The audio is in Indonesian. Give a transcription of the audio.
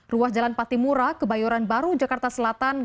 ruas jalan patimura ke bayoran baru jakarta selatan